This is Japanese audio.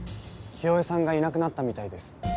清江さんがいなくなったみたいです。